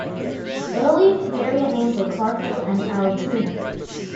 Early variant names were Clarkville and Altoona.